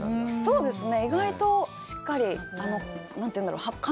そうですね。